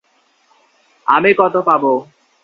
আমি কতো পাবো?